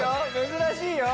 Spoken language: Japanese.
珍しいよ。